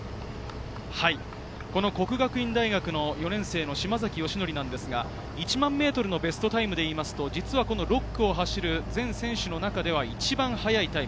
國學院大學の４年生・島崎慎愛ですが１００００ｍのベストタイムでいいますと、実はこの６区を走る全選手の中では一番速いタイム。